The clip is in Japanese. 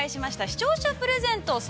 視聴者プレゼント。